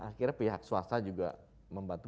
akhirnya pihak swasta juga membantu